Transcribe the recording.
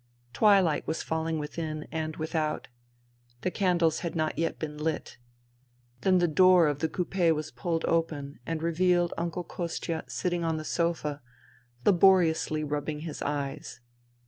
Twilight was falling within and without. The candles had not yet been lit. Then the door of the coup6 was pulled open and revealed Uncle Kostia sitting on the sofa, laboriously rubbing his eyes.